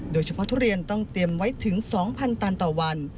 ทุเรียนต้องเตรียมไว้ถึง๒๐๐ตันต่อวัน